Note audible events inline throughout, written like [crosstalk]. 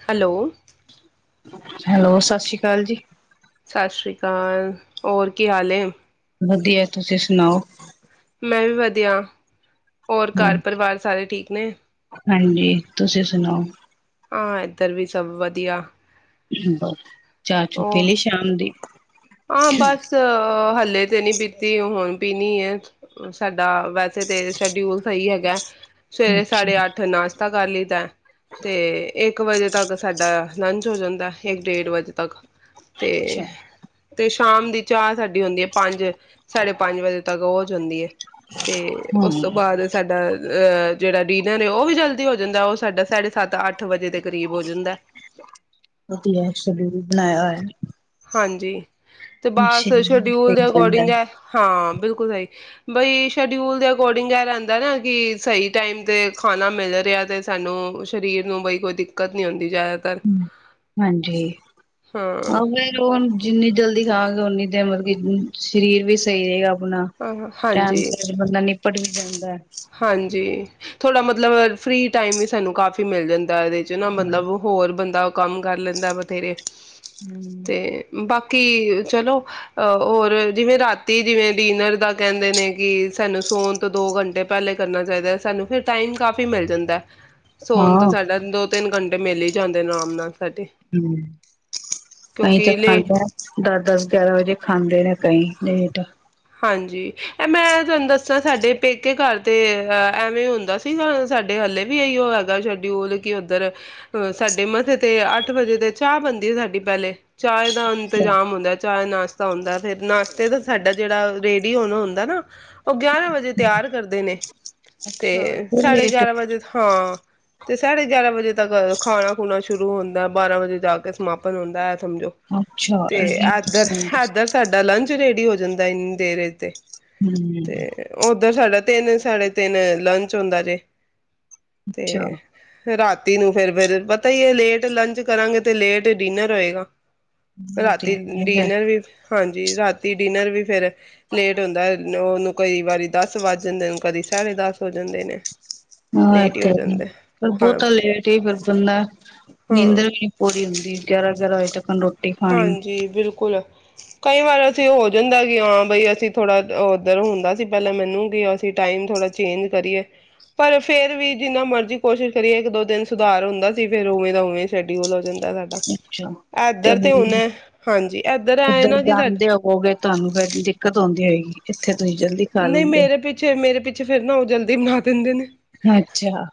Hello, hello ਸਤਿ ਸ੍ਰੀ ਅਕਾਲ ਜੀ। ਸਤਿ ਸ਼੍ਰੀ ਅਕਾਲ ਹੋਰ ਕੀ ਹਾਲ ਹੈ। ਵਧੀਆ ਤੁਸੀਂ ਸੁਣਾਓ। ਮੈਂ ਵੀ ਵਧੀਆ, ਹੋਰ ਘਰ ਪਰਿਵਾਰ ਸਾਰੇ ਠੀਕ ਨੇ? ਹਾਂਜੀ ਤੁਸੀਂ ਸੁਣਾਓ। ਹਾਂ ਇੱਧਰ ਵੀ ਸਭ ਵਧੀਆ [unintelligible] ਚਾਚੂ ਪੀ ਉਹ ਲਈ ਸ਼ਾਮ ਦੀ। ਹਾਂ ਬਸ ਹੱਲੇ ਤੇ ਨੀ ਪੀਤੀ, ਉਹ ਹੁਣ ਪੀਣੀ ਹੈ। ਸਾਡੇ ਦਾ ਵੈਸੇ ਤੇ ਸ਼ਡਿਊਲ ਤਾਂ ੲੈਹੀ ਹੈਗਾ, ਸਵੇਰੇ ਸਾੜੇ ਅੱਛਾ ਅੱਠ ਨਾਸ਼ਤਾ ਕਰ ਲਈ ਤਾ ਤੇ ਇੱਕ ਵਜੇ ਤੱਕ ਸਾਡਾ ਲੰਚ ਹੋ ਜਾਂਦਾ ਇੱਕ ਡੇਢ ਵਜੇ ਤੱਕ। ਤੇ ਅੱਛਾ ਤੇ ਸ਼ਾਮ ਦੀ ਚਾਹ ਸਾਡੀ ਹੁੰਦੀ ਹੈ, ਪੰਜ ਸਾਢੇ ਪੰਜ ਵਜੇ ਤੱਕ। ਉਹ ਜਾਂਦੀ ਹੈ। ਤੇ ਹਾਂ ਉਸ ਤੋਂ ਬਾਅਦ ਸਾਡਾ ਅਹ ਜਿਹੜਾ ਡੀਨਰ ਉਹ ਵੀ ਜਲਦੀ ਹੋ ਜਾਂਦਾ ਉਹ ਸਾਡਾ ਸਾਢੇ ਸੱਤ ਅੱਠ ਵਜੇ ਦੇ ਕਰੀਬ ਹੋ ਜਾਂਦਾ ਅ ਹੈ ਸਲੀਪਣਾ ਹਾਂਜੀ ਤੇ ਬਸ ਸ਼ਡਿਊਲ ਦੇ ਅਕੋਡਿੰਗ ਜਾਂਦਾ ਹੈ ਹਾਂ ਬਿਲਕੁਲ ਸਹੀ ਬਈ ਸ਼ਡਿਊਲ ਦੇ ਅਕੋਰਡਿੰਗ ਇਹ ਰਹਿੰਦਾ ਨਾ ਕਿ ਸਹੀ ਟਾਈਮ ਤੇ ਖਾਣਾ ਮਿਲ ਰਿਹਾ ਤੇ ਸਾਨੂੰ ਸਰੀਰ ਨੂੰ ਬਈ ਕੋਈ ਦਿੱਕਤ ਨੀ ਆਉਂਦੀ ਜ਼ਿਆਦਾਤਰ ਹਾਂਜੀ ਆ ਹਾਂ ਫਿਰ ਜਿੰਨੀ ਜਲਦੀ ਖਾਂਗੇ ਉਓਨੀ ਦੇਰ ਮਤਲਬ ਸਰੀਰ ਵੀ ਸਹੀ ਰਹੇਗਾ ਹਾਂ ਟਾਈਮ ਹਾਂਜੀ ਸ ਬੰਦਾ ਨ ਪੜ੍ਹ ਵੀ ਜਾਂਦਾ ਹਾਂਜੀ ਥੋੜਾ ਮਤਲਬ ਫ੍ਰਰੀ ਟਾਈਮ ਵੀ ਸਾਨੂੰ ਕਾਫੀ ਮਿਲ ਜਾਂਦਾ [unintelligible] ਦੇ ਚ ਨਾ ਬੰਦਾ ਮਤਲਬ ਹੋਰ ਬੰਦਾ ਕੰਮ ਕਰ ਲੈਂਦਾ ਬਥੇਰੇ ਹਮ ਤੇ ਬਾਕੀ ਕਿ ਚਲੋ ਅਹ ਹੋਰ ਜਿਵੇਂ ਰਾਤੀ ਜਿਵੇਂ ਡਿਨਰ ਦਾ ਕਹਿੰਦੇ ਨੇ ਕਿ ਸਾਨੂੰ ਸੋਣ ਤੋਂ ਦੋ ਘੰਟੇ ਪਹਿਲੇ ਕਰਨਾ ਚਾਹੀਦਾ ਸਾਨੂੰ ਫਿਰਰ ਟਾਈਮ ਕਾਫ਼ੀ ਮਿਲ ਜਾਂਦਾ ਸੋਨ ਤੋਂ ਹਾਂ ਸਾਡਾ ਦੋ ਤਿੰਨ ਘੰਟੇ ਮਲੇ ਹੀ ਜਾਂਦੇ ਨੇ ਆਰਾਮ ਨਾਲ ਸਾਡੇ ਹਮ ਅਸੀਂ ਤਾਂ ਕਿਉਂਕਿ ਲੇ ਖਾਂਦਾ ਹ ਦਸ ਦਸ ਗਿਆਰਾਂ ਵਜੇ ਖਾਂਦੇ ਰ ਕਈ ਲੇਟ ਹਾਂਜੀ ਇਹ ਮੈਂ ਤੁਹਾਨੂੰ ਦੱਸਾਂ ਸਾਡੇ ਪੇਕੇ ਘਰ ਤੇ ਐਵੇਂ ਹੁੰਦਾ ਸੀ ਸਾਡੇ ਹਲੇ ਵੀ ਇਹੀਓ ਹੈਗਾ ਸ਼ਡਿਊਲ ਕਿ ਉੱਧਰ ਸਾਡੇ ਮਥੇ ਤੇ ਅੱਠ ਵਜੇ ਤੇ ਚਾਹ ਬੰਦੀ ਹੈ ਸਾਡੀ ਪਹਿਲੇ ਚਾਏ ਦਾ ਇੰਤਜ਼ਾਮ ਹੁੰਦਾ ਚਾਹਏ ਨਾਸ਼ਤੇ ਹਦਾ ਫਿਰ ਨਾਸ਼ਤੇ ਤਾਂ ਸਾਡਾ ਜਿਹੜਾ ਰੇਡੀੀਓਨ ਹੁੰਦਾ ਨਾ ਉਹ ਗਿਆਰਾਂ ਵਜੇ ਤਿਆਰ ਕਰਦੇ ਨੇ ਤੇ ਅੱਛਾ ਏਨੀ ਸਾਡੇ ਲੇਟ ਗਿਆਰਾਂ ਵਜੇ ਹਾਂ ਤੇ ਸਾਡੇ ਗਿਆਰਾਂ ਵਜੇ ਤੱਕ ਖਾਣਾ ਖੁਣਾ ਸ਼ੁਰੂ ਹੁੰਦਾ ਬਾਰਾਂ ਵਜੇ ਜਾ ਕੇ ਸਮਾਪਨ ਹੁੰਦਾ ਹੈ ਸਮਝੋ ਅੱਛਾ ਤੇ ਏਨੀ ਇਧਰ ਇੱਧਰ ਸਾਡਾ ਲੰਚ ਰੇਡੀ ਹੋ ਦੇਰੇ ਤੇ ਹੂੰ ਤੇ ਉੱਧਰ ਸਾਡਾ ਤਿੰਨ ਸਾਢੇ ਤਿੰਨ ਲੰਚ ਹੁੰਦਾ ਜੇ ਅੱਛਾ ਤੇ ਰਾਤੀ ਨੂੰ ਫੇਿਰ ਫਿਰ ਪਤਾ ਹੀ ਹੈ ਲੇਟ ਲੰਚ ਕਰਾਂਗੇ ਤੇ ਲੇਟ ਡਿਨਰ ਹੋਏਗਾ ਹਾਂ ਰਾਤੀ ਤੇ ਡਿਨਰ ਵੀ ਹਾਂਜੀ ਰਾਤ ਡਿਨਰ ਵੀ ਫੇਿਰ ਲੇਟ ਹੁੰਦਾ ਉਹ ਨੂੰ ਕਈ ਵਾਰੀ ਦਸ ਵੱਜ ਜਾਂਦੇ ਨੇ ਕਦੀ ਸਾਢੇ ਦਸ ਹੋ ਜਾਂਦੇ ਨੇ। ਹਾਂ ਇ ਲੇਟ ਹੀ ਹੋ ਤੇ ਹ ਜਾਂਦੇ ਹਾਂ ਬਹੁਤਾ ਲੇਟ ਹੀ ਫੇਰ ਸੋਨਾ ਹਾਂ ਨੀਂਦਰ ਈ ਨਹੀ ਪੂਰੀ ਹੁੰਦੀ ਗਿਆਰਹ ਗਿਆਰਹ ਵਜੇ ਤੱਕ ਖਾਣੀ ਹਾਂਜੀ ਬਿਲਕ ਬਿਲਕੁਲ ਕਈ ਵਾਰ ਅਸੀਂ ਹੋ ਜਾਂਦਾ ਕਿ ਹਾਂ ਬਈ ਅਸੀਂ ਥੋੜ੍ਹਾ ਉੱਧਰ ਹੁੰਦਾ ਸੀ ਪਹਿਲਾਂ ਮੈਨੂੰ ਕਿ ਅਸੀਂ ਟਾਈਮ ਥੋੜ੍ਹਾ ਚੇਂਜ ਕਰੀਏ ਪਰ ਫੇਿਰ ਵੀ ਜਿੰਨਾ ਮਰਜ਼ੀ ਕੋਸ਼ਿਸ਼ ਕਰੀਏ ਇੱਕ ਦੋ ਦਿਨ ਸੁਧਾਰ ਹੁੰਦਾ ਸੀ ਫਿਰ ਉਵੇਂ ਦਾ ਉਵੇਂ ਸ਼ਡਿਊਲ ਹੋ ਜਾਂਦਾ ਸਾਡਾ ਅੱਛਾ ਤੇ ਇੱਧਰ ਹੁਣ ਹਾਂਜੀ ਇੱਧਰ ਆਏ ਉੱਧਰ ਨਾ ਕਿ ਸਾਡ ਜਾਂਦੇ ਹੋੋਗੇ ਤੁਹਾਨੂੰ ਫ ਦਿੱਕਤ ਉਂਦੀ ਹੋਏਗੀ ਇੱਥੇ ਤੁਸੀਂ ਜਲਦੀ ਖਾ ਨਹੀਂ ਲੈਂਦੇ ਮੇਰੇ ਪਿੱਛੇ ਮੇਰੇ ਪਿੱਛੇ ਫੇਿਰ ਨਾ ਉਹ ਜਲਦੀ ਦੇਵਨਾਥ ਦਿੰਦੇ ਨੇ ਹੋ ਅੱਛਾ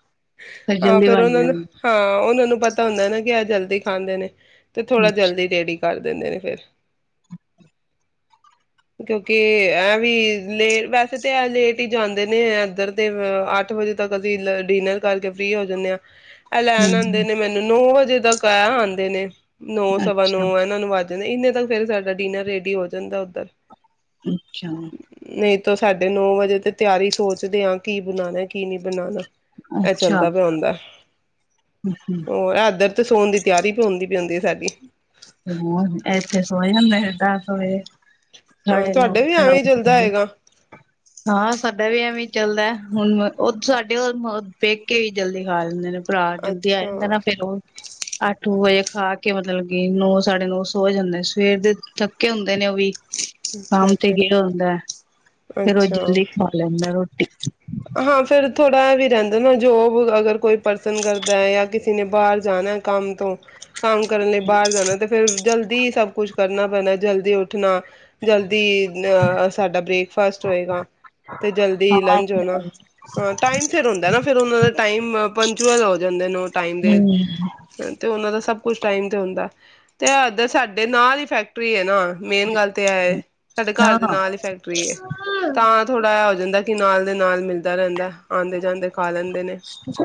ਹਾਂ ਜਲਦੀ ਫਿਰ ਬਣ ਉਹਨਾਂ ਨੂੰ ਜਾਂਦੀ ਹਾਂ ਉਹਨਾਂ ਨੂੰ ਪਤਾ ਹੁੰਦਾ ਨਾ ਕਿ ਅੱਜ ਜਲਦੀ ਖਾਂਦੇ ਨੇ ਤੇ ਥੋੜ੍ਹਾ ਜਲਦੀ ਰੇਡੀ ਕਰ ਦਿੰਦੇ ਨੇ ਫੇਿਰ ਕਿਉਕੀ ਏ ਐ ਵੀ ਲੇਟ ਵੈਸੇ ਤਾਂ ਇਹ ਲੇਟ ਹੀ ਜਾਂਦੇ ਨੇ ਇੱਧਰ ਤੇ ਅੱਠ ਵਜੇ ਤੱਕ ਅਸੀਂ ਡਿਨਰ ਕਰਕੇ ਫ੍ਰਰੀ ਹੋ ਜਾਂਦੇ ਹਾਂ ਅੱਛਾ ਐਲੈਾਨ ਆਉਂਦੇ ਨੇ ਹੂੰ ਮੈਨੂੰ ਨੋ ਜੇ ਤੱਕ ਆ ਆਉਂਦੇ ਨੇ ਨੌ ਸਵਾ ਨੌ ਅੱਛਾ ਇਹਨਾਂ ਨੂੰ ਵੱ ਇੰਨੇ ਤੱਕ ਫੇਿਰ ਸਾਡਾ ਡਿਨਰ ਰੇਡੀ ਹੋ ਜਾਂਦਾ ਉੱਧਰ ਅੱਛਾ ਨਹੀਂ ਤਾਂ ਸਾਡੇ ਨੌ ਵਜੇ ਤੇ ਤਿਆਰੀ ਸੋਚਦੇ ਹਾਂ ਕੀ ਬਣਾਉਣਾ ਕੀ ਨਹੀਂ ਬਣਾਉਣਾ ਇਹ ਅੱਛਾ ਚੱਲਦਾ ਪਿਆ ਹੋਂਦਾ ਹੂੰ ਹੋਰ ਇਧਰ ਤੇ ਸੋਣ ਦੀ ਤਿਆਰੀ ਵੀ ਹੁੰਦੀ ਹੁੰਦੀ ਸਾਡੀ ਹਮ ਇੱਥੇ ਸੋ ਜਾਂਦਾ ਹੈ ਤਾਂ ਹੋ ਹਾਂ ਸਾਡੇ ਨੋ ਤੁਹਾਡੇ ਵੀ ਤਿਆਰ ਐਵੇਂ ਹੀ ਚੱਲਦਾ ਹੁਣੇ ਹੋਏਗਾ ਹਾਂ ਸਾਡਾ ਵੀ ਐਵੇਂ ਚੱਲਦਾ ਹੁਣ ਉਹ ਸਾਡੇ ਉਹ ਪੇਕੇ ਵੀ ਜਲਦੀ ਖਾ ਲੈਂਦੇ ਨੇ ਭਰਾ ਜਲਦੀ ਆ ਜਾਂਦਾ ਅੱਛਾ ਹੈ, ਨਾ ਫਿਰ ਉਹ ਆਟ ਨੋ ਵਜੇ ਖਾ ਕੇ ਮਤਲਬ ਨੌ ਸਾੜੇ ਨੌ ਸੌ ਜਾਂਦੇ ਹੇ। ਸਵੇਰ ਦੇ ਥੱਕੇ ਹੁੰਦੇ ਨੇ ਉਹ ਵੀ। ਅੱਛਾ ਕਾਮ ਤੇ ਗਏ ਅੱਛਾ ਹੁੰਦਾ ਹੈ, ਫੇਰ ਉਹ ਅੱਛਾ ਜਲਦੀ ਖਾ ਲੈਂਦਾ ਰੋਟੀ। ਥੋੜ੍ਹਾ ਇਹ ਵੀ ਰਹਿੰਦਾ ਹੈ ਨਾ, ਜੋਬ ਅਗਰ ਕੋਈ ਪਰਸਨ ਕਰਦਾ ਹੈ ਯਾਂ, ਕਿਸੇ ਨੇ ਬਾਹਰ ਜਾਣਾ ਕੰਮ ਤੋਂ ਕੰਮ ਕਰਨ ਲਈ ਬਾਹਰ ਜਾਣਾ। ਤੇ ਫੇਰ ਜਲਦੀ ਸਭ ਕੁਛ ਕਰਨਾ ਪੈਣਾ, ਜਲਦੀ ਉੱਠਣਾ ਜਲਦੀ ਅ ਸਾਡਾ ਬ੍ਰੇਕਫਾਸਟ ਹੋਏਗਾ ਤੇ ਜਲਦੀ ਹਾਂ ਲੰਚ ਹਮ ਹਾਂ ਟਾਈਮ ਸਿਰ ਹੁੰਦਾ ਨਾ ਫੇਿਰ ਉਹਨਾ ਦਾ ਟਾਈਮ ਪੰਚੁਅਲ ਹੋ ਜਾਂਦੇ ਨੋਟ ਟਾਈਮ ਦੇ ਤੇ ਉਹਨਾਂ ਦਾ ਸਭ ਕੁਛ ਟਾਈਮ ਤੇ ਹੁੰਦਾ ਤੇ ਅਧ ਸਾਡੇ ਨਾਲ ਹੀ ਫੈਕਟਰੀ ਹੈ ਨਾ ਮੇਨ ਗੱਲ ਤੇ ਇਹ ਹੈ ਸਾਡੇ ਘਰ ਦੇ ਹਾਂ ਨਾਲ ਹੀ ਫੈਕਟਰੀ ਹੈ ਤਾਂ ਥੋੜ੍ਹਾ ਜਹਾ ਹੋ ਜਾਂਦਾ ਕਿ ਨਾਲ ਦੇ ਨਾਲ ਮਿਲਦਾ ਰਹਿੰਦਾ ਆਉਂਦੇ ਜਾਂਦੇ ਖਾ ਲੈਂਦੇ ਨੇ।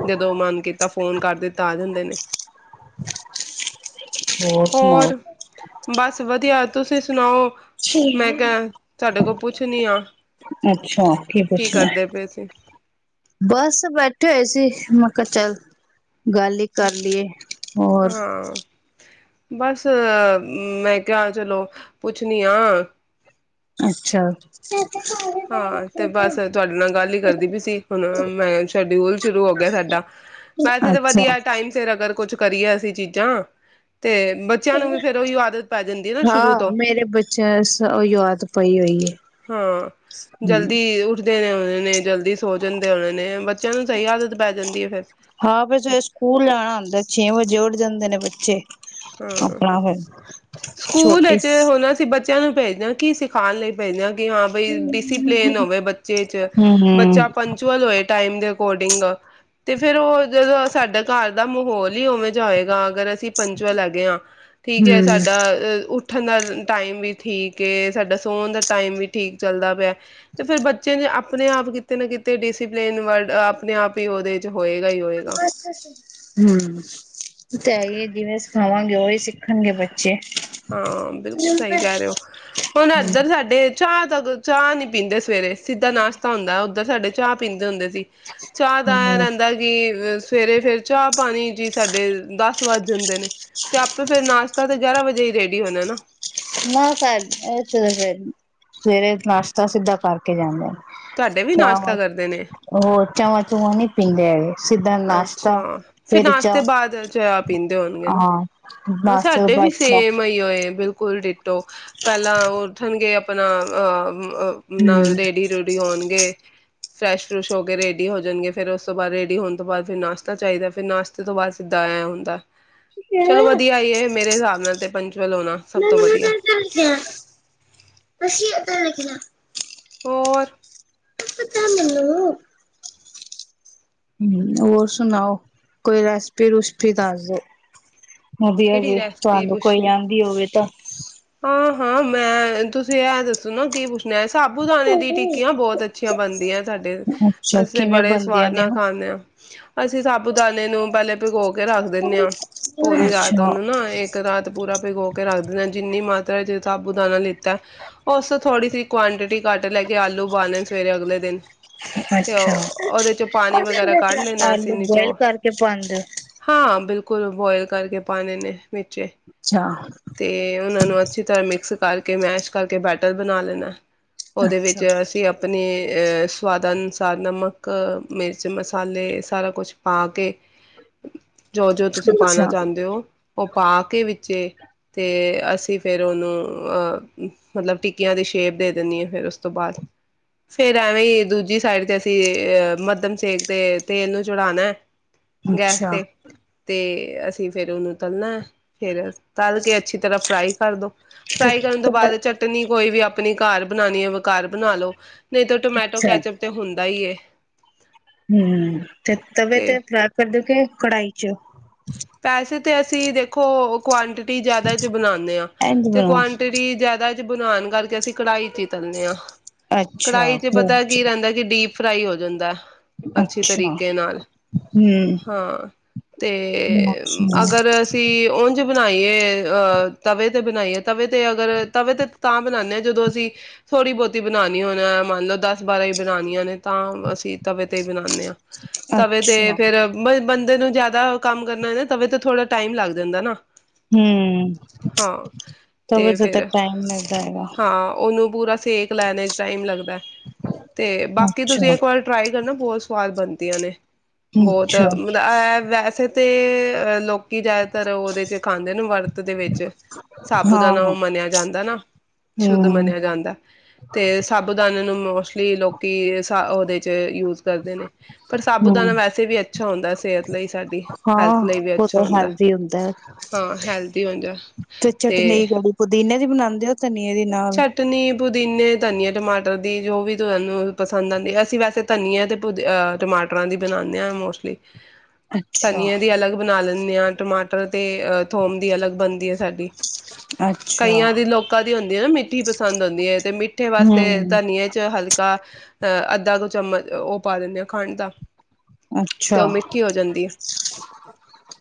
ਜਦੋਂ ਮਨ ਕੀਤਾ, ਫੋਨ ਕਰ ਦਿੱਤਾ ਆ ਜਾਂਦੇ ਨੇ ਹੋਰ ਸੁਣਾਔ ਬਸ ਵਧੀਆ। ਤੁਸੀ ਸੁਣਾਔ? ਮੈਂ ਕਿਆ ਸਾਡੇ ਕੋ ਪੁੱਛਣੀ ਆਂ ਅੱਛਾ ਕੀ ਪੁਛਨੈ। ਸੀ ਬਸ ਬੈਠੇ ਹੋਏ ਸੀ ਕੱੱਚਲ ਗੱਲ ਈ ਕਰ ਲਈਏ ਹੋਰ ਹਾਂ। ਬਸ ਮੈਂ ਕਿਆ ਚਲੋ ਪੁੱਛਣੀ ਆਂ ਅੱਛਾ ਹਾਂ ਤੇ ਬਸ ਤੁਆਡੇ ਨਾਲ ਗੱਲ ਈ ਕਰਦੀ ਪੀ ਸੀ। ਹੁਣ, ਮੈਂ ਸ਼ੈਡਿਊਲ ਸ਼ੁਰੂ ਹੋ ਗਿਆ ਸਾਡਾ। ਵੈਸੇ ਤੇ ਅੱਛਾ ਵਧੀਆ ਏ ਟਾਈਮ ਸਿਰ ਅਗਰ ਕੁਛ ਕਰੀਏ ਅਸੀ ਚੀਜ਼ਾਂ ਤੇ ਬੱਚਿਆਂ ਨੂੰ ਵੀ ਫੇਰ ਉਹੀ ਆਦਤ ਪੈ ਜਾਂਦੀ ਹੈ ਨਾ ਸ਼ੁਰੂ ਹਾਂ, ਤੋਂ ਮੇਰੇ ਬੱਚਿਆਂ ਸ ਔਈਯੋ ਆਦਤ ਪਈ ਹੋਈ ਏ। ਹਾਂ ਜਲਦੀ ਉੱਠ ਦੇ ਦੇ ਉਹਨਾਂ ਨੇ ਜਲਦੀ ਸੋ ਜਾਂਦੇ ਉਹਨਾਂ ਨੇ ਬੱਚਿਆਂ ਨੂੰ ਸਈ ਆਦਤ ਪੈ ਜਾਂਦੀ ਏ ਫਿਰ ਹਾਂ ਫਿਰ ਸਵੇਰੇ ਸਕੂਲ ਜਾਣਾ ਹੁੰਦਾ ਛੇ ਵਜੇ ਉੱਠ ਜਾਂਦੇ ਨੇ ਬੱਚੇ। ਆਪਣਾ ਫਿਰ ਛੋਟੀ ਚਿਆਂ ਨੂੰ ਭੇਜਨੇ ਆਂ ਕੀ ਸਿਖਾਣ ਲਈ ਭੇਜਣੇ ਆਂ ਬੀ ਹਾਂ ਬਈ ਹਮ ਡੀਸੀਪਲੇਨ ਹੋਵੇ ਬੱਚੇ ਚ, ਹਮ ਬੱਚਾ ਪੰਚੁਅਲ ਹੋਏ ਟਾਈਮ ਦੇ ਅਕੋਡਿੰਗ ਤੇ ਫੇਰ ਉਹ ਜਦੋਂ ਸਾਡਾ ਘਰ ਦਾ ਮਾਹੌਲ ਈ ਉਵੇਂ ਜਾ ਹੋਏਗਾ ਅਗਰ ਅਸੀ ਚੁਵਾਂ ਲੱਗਦੀਆਂ, ਠੀਕ ਐ ਹਮ ਸਾਡਾ ਅ ਉ ਠਣ ਦਾ ਟਾਈਮ ਵੀ ਠੀਕ ਏ, ਸਾਡਾ ਸੋਨ ਦਾ ਟਾਈਮ ਵੀ ਠੀਕ ਚੱਲਦਾ ਪਿਐ ਤੇ ਫੇਰ ਬੱਚੇ ਨੇ ਆਪ ਆਪਣੇ ਆਪ ਕਿਤੇ ਨਾ ਕਿਤੇ ਡੀਸੀਪਲੇਨ ਵਰਡ ਆਪਣੇ ਆਪ ਈ ਉਹਦੇ ਚ ਹੋਏਗਾ ਹੀ ਹੋਏਗਾ ਹੂੰ, ਔ ਤੇ ਹੈ ਈ ਏ ਜਿਵੇਂ ਸਿਖਾਵਾਂਗੇ ਔਈ ਸਿੱਖਣਗੇ ਬੱਚੇ। ਹਾਂ, ਬਿਲਕੁਲ ਸਈ ਹਮ ਕੈ ਰਏ ਔ। ਹੁਣ ਇੱਧਰ ਸਾਡੇ ਚਾਅ ਤੱਕ, ਚਾਅ ਨੀ ਪੀਂਦੇ ਸਵੇਰੇ ਸਿੱਧਾ ਨਾਸ਼ਤਾ ਹੁੰਦੈ, ਉੱ ਧਰ ਸਾਡੇ ਚਾਅ ਪੀਂਦੇ ਹੁੰਦੇ ਸੀ। ਚਾਅ ਦਾ ਹਮ ਐਨੰਦਾ ਕਿ ਸਵੇਰੇ ਫੇਰ ਚਾਹ ਪਾਣੀ ਜੀ ਸਾਡੇ ਦਸ ਵੱਜ ਜਾਂਦੇ ਨੇ ਤੇ ਆਪੇ ਫੇਰ ਨਾਸ਼ਤਾ ਤੇ ਗਿਆਰਾਂ ਵਜੇ ਰੇਡੀ ਹੋਣਾ ਨਾ ਨਾ ਫੇਰ ਇਥੇ ਤਾ ਸਵੇਰੇ ਨਸ਼ਤਾ ਸਿੱਧਾ ਕਰਕੇ ਜਾਂਦੇ ਨੇ ਤੁਹਾਡੇ ਵੀ ਚਾਹ ਨਾਸ਼ਤਾ ਕਰਦੇ ਨੇ ਹੋਰ ਚਾਵਾਂ ਚੁਵਾਂ ਨੀ ਪਿੰਦੇ ਹੈਗੇ। ਸਿੱਧਾ ਨਾਸ਼ਤਾ ਅੱਛਾ ਫਿਰ ਫੇਰ ਚਾਹ ਨਾਸ਼ਤੇ ਬਾਅਦ ਚਾਹ ਪੀਂਦੇ ਹੋਣਗੇ ਨਾ ਹਾਂ ਨਾਸ਼ਤੇ ਤੋਂ ਸਾਡੇ ਵੀ ਬਾਅਦ ਚਾਹ ਸੇਮ ਏਹੀ ਓ ਏ। ਕੋਲ ਡਿੱਟੋ ਪਹਿਲਾਂ ਉਠਣਗੇ ਆਪਣਾ ਅ ਨਾਲ ਹੂੰ। ਰੇਡੀ ਰੂਡੀ ਹੋਣਗੇ। ਫਰੈਸ਼ ਫਰੁਸ਼ ਹੋ ਕੇ ਰੇਡੀ ਹੋ ਜਾਣਗੇ ਫਿਰ ਉਸ ਤੋਂ ਬਾਅਦ ਰੇਡੀ ਹੋਣ ਤੋਂ ਬਾਅਦ ਫਿਰ ਨਾਸ਼ਤਾ ਚਾਹੀਦਾ ਫਿਰ ਨਾਸ਼ਤੇ ਤੋਂ ਬਾਅਦ ਸਿੱਧਾ ਇਹ ਹੁੰਦਾ। ਚਲੋ ਵਧੀਆ ਈਏ ਮੇਰੇ ਹਿਸਾਬ ਨਾਲ ਤੇ ਪੰਚੁਅਲ ਹੋਣਾ ਸਭ ਤੋਂ ਵਧੀਆ। [inaudible] ਹੋਰ [inaudible] ਹਮ ਹੋਰ ਸੁਣਾਓ ਕੋਈ ਰੈਸਪੀ ਰੁਸਪੀ ਦੱਸ ਦੋ। ਵਧੀਆ ਕਿਹੜੀ ਜੀ ਰੈਸਪੀ ਤੁਹਾਨੂੰ ਕੋਈ ਆਦੀ ਹੋਵੇ ਤਾਂ [inaudible] ਹਾਂ ਹਾਂ ਮੈਂ ਤੁਸੀਂ ਇਹ ਦੱਸੋ ਨਾ ਕੀ ਪੁੱਛਣਾ। ਸਾਬੂਤ ਦਾਣੇ ਦੀ ਟਿੱਕੀਆਂ ਬਹੁਤ ਅੱਛੀ। ਅੱਛੀਆਂ ਬਣਦੀਆਂ। ਤੁਹਾਡੇ ਅੱਛਾ ਅਸੀਂ ਕਿਵੇਂ ਬੜੇ ਬਣਦੀਆਂ ਸਵਾਦ ਨੇ ਨਾਲ ਖਾਂਦੇ ਹਾਂ। ਅਸੀਂ ਸਾਬਤ ਦਾਣੇ ਨੂੰ ਪਹਿਲੇ ਭਿਗੋ ਕੇ ਰੱਖ ਦਿੰਦੇ ਉਹ? ਹਾਂ ਪੂਰੀ ਰਾਤ ਅੱਛਾ ਉਹਨੂੰ ਨਾ ਇੱਕ ਰਾਤ ਪੂਰਾ ਭਿਗੋ ਕੇ ਰੱਖ ਦਿੰਦੇ। ਸਾਬੁਤ ਦਾਨਾ ਨੀ ਉਸ ਤੋਂ ਥੋੜੀ ਸੀ ਕੁਆਂਟਿਟੀ ਘੱਟ ਲੈ ਕੇ ਆਲੂ ਉਬਾਲ ਨੇ ਸਵੇਰੇ ਅਗਲੇ ਦਿਨ ਤੇ ਅੱਛਾ ਉਹਦੇ ਚੋਂ ਪਾਣੀ ਵਗੈਰਾ ਕੱਢ ਲੈਣਾ ਅਸੀਂ ਆਲੂ ਬੋਇਲ ਨੀਚੋਂ ਕਰਕੇ ਪਾਦੇ ਓ। ਕੋਈ ਬੋਇਲ ਕਰਕੇ ਪਾਣੇ ਨੇ। ਵਿੱਚ ਓ। ਅੱਛਾ, ਤੇ ਫੇਰ ਓ ਨੂੰ ਅਛੀ ਤਰ੍ਹਾ ਮਿਕਸ ਕਰਕੇ ਮੈਸ਼ ਕਰਕੇ ਬੈਟਰ ਬਣਾ ਲੈਣਾ। ਉਹਦੇ ਅੱਛਾ, ਵਿੱਚ ਅਸੀਂ ਆਪਣੇ ਸਵਾਦ ਅਨੁਸਾਰ ਨਮਕ ਮਿਰਚ ਮਸਾਲੇ ਸਾਰਾ ਕੁਛ ਪਾ ਕੇ। ਜੋ ਜੋ ਤੁਸੀਂ ਪਾਣਾ ਅੱਛਾ, ਚਾਹੁੰਦੇ ਹੋ ਉਹ ਪਾ ਕੇ ਬੱਚੇ ਅਤੇ ਅਸੀਂ ਅਸੀਂ ਫੇਰ ਉਹਨੂੰ ਅਹ ਮਤਲਬ ਟਿੱਕੀਆਂ ਦੀ ਸ਼ੇਪ ਦੇ ਦਿੰਦੀ ਹ ਫਿਰ ਉਸ ਤੋਂ ਬਾਅਦ ਫੇਰ ਐਵੇਂ ਦੂਜੀ ਸਾਈਡ ਤੇ ਅਸੀਂ ਅਹ ਮੱਧਮ ਸੇਕ ਤੇ ਤੇਲ ਨੂੰ ਚੜਾਣਾ ਗੈਸ ਅੱਛਾ। ਤੇ ਤੇ ਅਸੀਂ ਫੇਰ ਉਹਨੂੰ ਤਲਣਾ ਫੇਰ ਤਲ ਕੇ ਅੱਛੀ ਤਰ੍ਹਾਂ ਕਰਦੋ ਤੇ ਫਰਾਈ ਕਰਨ ਤੋਂ ਬਾਅਦ ਚਟਨੀ ਕੋਈ ਵੀ ਆਪਣੀ ਘਰ ਬਣਾਉਣੀ ਹੈ ਘਰ ਬਣਾ ਲਓ ਨਹੀਂ ਤਾਂ ਟੋਮੈਟੋ ਕੈਚਅਪ ਤੇ ਹੁੰਦਾ ਹੀ ਹਮ ਤੇ ਤਵੇ ਤੇ ਪ੍ਰਰਾਪ ਕਰਦ ਕੇ ਕੜਾਈ ਖੱੱਚੋ ਪੈਸੇ ਤੇ ਅਸੀਂ ਦੇਖੋ ਕੁਆਂਟਿਟੀ ਜ਼ਿਆਦਾ ਚ ਬਣਾਉਂਦੇ ਹਾਂ ਇੰਜ ਤੇ ਬਣਾਓ ਕੁਆਂਟਿਟੀ ਜ਼ਿਆਦਾ ਬਣਾਨ ਕਰਕੇ ਅਸੀਂ ਕੜਾਹੀ ਚ ਹੀ ਤਲਦੇ ਹਾਂ ਅੱਛਾ ਕੜਾਹੀ ਚ ਪਤਾ ਕੀ ਰਹਿੰਦਾ ਕਿ ਡੀਪ ਫਰਾਈ ਹੋ ਜਾਂਦਾ ਅੱਛੇ ਅੱਛਾ ਤਰੀਕੇ ਨਾਲ ਹਮ ਹਾਂ ਤੇ ਅਗਰ ਅਸੀਂ ਉ ਬਣਾਈਏ ਅਹ ਤਵੇ ਤੇ ਬਣਾਈਏ ਤਵੇ ਤੇ ਅਗਰ ਤਵੇ ਤੇ ਤਾਂ ਬਣਾਉਦੇ ਹਾਂ ਜਦੋਂ ਅਸੀਂ ਥੋੜ੍ਹੀ ਬਹੁਤੀ ਬਣਾਉਣੀ ਹੋਣਾ ਮੰਨ ਲਓ ਦਸ ਬਾਰਾਂ ਹੀ ਬਣਾਾਨੀਆਂ ਨੇ ਤਾਂ ਅਸੀਂ ਤਵੇ ਤੇ ਬਨਾਉਦੇ ਹਾਂ ਤਵੇ ਤੇ ਅੱਛਾ ਫਿਰ ਬੰਦੇ ਨੂੰ ਜਿਆਦਾ ਕੰਮ ਕਰਨਾ ਨਾ ਤਵੇ ਤਾਂ ਥੋੜਾ ਟਾਈਮ ਲੱਗ ਜਾਂਦਾ ਨਾ ਹੂੰ ਹਾਂ ਤਵੇ ਤੇ ਤਾਂ ਫਿਰ ਟਾਈਮ ਲੱਗਦਾ ਹੈਗਾ। ਹਾਂ ਉਹਨੂੰ ਪੂਰਾ ਸੇਕ ਲੈਣੇ ਚ ਟਾਈਮ ਲੱਗਦਾ ਤੇ ਬਾਕੀ ਤੁਸੀਂ ਅੱਛਾ, ਇੱਕ ਵਾਰ ਟਰਾਈ ਕਰਨਾ ਬਹੁਤ ਸਵਾਦ ਬਣਦੀ ਤੀਆਂ ਨੇ ਬਹੁਤ ਅੱਛਾ ਮਤਲਬ ਇਹ ਵੈਸੇ ਤੇ ਅ ਲੋਕੀ ਜ਼ਿਆਦਾਤਰ ਉਹਦੇ ਚ ਖਾਂਦੇ ਨੂੰ ਵਰਤ ਦੇ ਵਿੱਚ ਸਾਬੂ ਹਾਂ ਦਾਨ ਉਹ ਹੂੰ, ਮੰਨਿਆ ਜਾਂਦਾ ਨਾ ਸ਼ੁੱਧ ਹੂੰ। ਮੰਨਿਆ ਜਾਂਦਾ ਤੇ ਸਾਬੂ ਦਾਣੇ ਨੂੰ ਲਈ ਲੋਕੀ ਸ ਉਹਦੇ ਯੂਜ ਕਰਦੇ ਨੇ ਪਰ ਸਾਬੂ ਦਾਨਾ ਵੈਸੇ ਵੀ ਅੱਛਾ ਹੁੰਦਾ ਸਿਹਤ ਲਈ ਸਾਡੀ ਹੈਲਥ ਹਾਂ ਲਈ ਵੀ ਉਹ ਅੱਛਾ ਤਾਂ ਹੁੰਦਾ। ਹੈਲਦੀ ਹੁੰਦਾ ਹੈ। ਹਾਂ ਹੈਲਦੀ ਹੁੰਦਾ ਤੇ ਚਟਨੀ ਪੁਦੀਨੇ ਦੀ ਬਣਾ ਹ ਚਟਨੀ, ਪੁਦੀਨੇ, ਧਨੀਆ, ਟਮਾਟਰ। ਟਾਟਰ ਦੀ ਜੋ ਵੀ ਤੁਹਾਨੂੰ ਪਸੰਦ ਆਉਂਦੀ ਹੈ, ਅਸੀਂ ਵੈਸੇ ਧਨੀਆ ਅਤੇ ਪੁਦੀਨੇ ਟਮਾਟਰਾਂ ਦੀ ਬਣਾਉਂਦੇ ਹਾਂ ਮੋਸਟਲੀ। ਅੱਛਾ ਧਨੀਆ ਦੀ ਅਲੱਗ ਬਣਾ ਲੈਂਦੇ ਦੇ ਹਾਂ ਟਮਾਟਰ ਤੇ ਅ ਥੋਮ ਦੀ ਅਲੱਗ ਬਣਦੀ ਹੈ। ਸਾਡੀ ਅੱਛਾ ਕਈਆਂ ਦੀ ਲੋਕਾਂ ਦੀ ਨਾ ਮਿੱਠੀ ਪਸੰਦ ਆਉਂਦੀ ਹੈੜ ਤੇ ਮਿੱਠੇ ਵਾਸਤੇ ਹਮ ਧਨੀਆਂ ਚ ਹਲਕੇ ਅਹ ਅੱਧਾ ਦੋ ਚਮਚ ਉਹ ਪਾ ਦਿੰਦੇ ਹ ਖੰਡ ਦਾ। ਤੇ ਅੱਛਾ ਉਹ ਮਿੱਠੀ ਹੋ ਜਾਂਦੀ ਹੈ।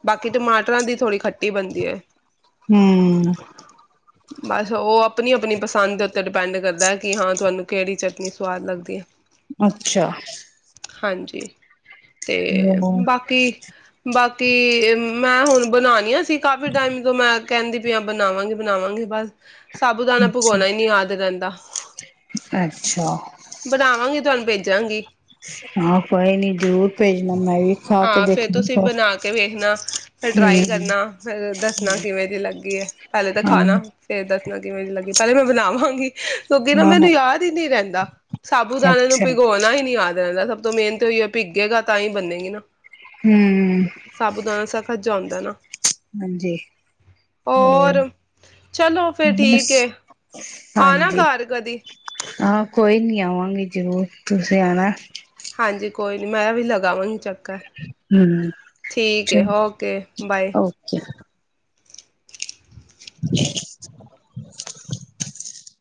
ਬਾਕੀ ਟਮਾਟਰਾਂ ਦੀ ਥੋੜ੍ਹੀ ਖ ਬਣਦੀ ਹੈ। ਹਮ ਬਸ ਉਹ ਆਪਣੀ ਆਪਣੀ ਪਸੰਦ ਡਿਪੈਂਡ ਕਰਦਾ ਹੈ, ਕਿ ਹਾਂ ਤੁਹਾਨੂੰ ਕਿਹੜੀ ਚਟਨੀ ਸਵਾਦ ਲੱਗਦੀ ਹੈ। ਅੱਛਾ ਹਾਂਜੀ। ਤੇ ਹਮ ਬਾਕੀ ਬਾਕੀ ਅਤੇ ਮੈਂ ਹੁਣ ਬਣਾਨੀ ਆ ਸੀ ਕਾਫੀ ਟਾਈਮ ਤੋ ਮੈ ਕਹਿੰਦੀ ਵੀ ਆ ਬਣਾਵਾਂਗੀ ਬਣਾਵਾਂਗੀ ਬਸ ਹ ਸਾਬੂ ਦਾਣਾ ਅੱਛਾ ਭਿਗੋਉਣਾ ਹੀ ਨੀ ਯਾਦ ਰਹਿੰਦਾ, ਅੱਛਾ ਬਣਾਵਾਂਗੀ ਤੁਹਾਨੂੰ ਭੇਜਾਂਗੀ। ਆਹੋ ਕੋਈ ਨੀ ਜ਼ਰੂਰ ਭੇਜਨਾ। ਹਾਂ ਫਰ ਤੁਸੀਂ ਭੀ ਬਣਾ ਕੇ ਵੇਖਣਾ, ਫਿਰ ਟਰਾਈ ਕਰਨਾ, ਫਿਰ ਦੱਸਣਾ ਕਿਵੇਂ ਦੀ ਲੱਗੀ ਹੈ। ਪਹਿਲੇ ਤਾਂ ਖਾਣਾ ਹਮ ਫੇਰ ਦੱਸਣਾ ਕਿਵੇਂ ਜ ਲੱਗੀ ਪਹਿਲੇ ਮੈਂ ਬਣਾਵਾਂਗੀ। ਕਿਉਂਕਿ ਨਾ ਹਾਂ ਮੈਨੂੰ ਹਾਂ ਯਾਦ ਹੀ ਨੀ ਰਹਿੰਦਾ ਸਾਬੂ ਦਾਣੇ ਨੂੰ ਅੱਛਾ ਭਿਗੋਉਣਾ ਹੀ ਨੀ ਯਾਦ ਰਹਿੰਦਾ। ਤੋ ਮੇਨ ਤੇ ਜੇ ਭਿੱਗੇਗਾ ਤਾਂ ਹੀ ਬੰਨੇਗੇ ਨਾ। ਹਮ ਸਾਬੂ ਦਾਣਾ ਸਖਤ ਜਿਆ ਹੁੰਦਾ ਏ ਨਾ। ਹਾਂਜੀ ਹੋਰ- ਚਲੋ ਫੇਰ ਬਸ ਠੀਕ ਹੈ। ਆਨਾ ਹਾਂਜੀ ਘਾਰ ਕਦੀ। ਹਾਂ, ਕੋਈ ਨੀ ਆਵਾਂਗੀ ਜ਼ਰੂਰ। ਤੁਸੀਂ ਆਣਾ। ਹਾਂਜੀ ਕੋਈ ਨੀ ਮੈਂ ਵੀ ਲਗਾਵਾਂਈ ਚੱਕ- ਕ ਹਮ ਠੀਕ ਹੈ ਚਲ ਓਕੇ, ਬਾਏ। ਓਕੇ [inaudible]